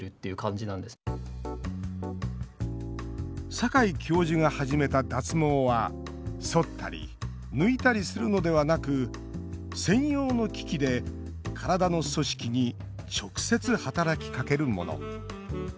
坂井教授が始めた脱毛はそったり抜いたりするのではなく専用の機器で体の組織に直接働きかけるもの。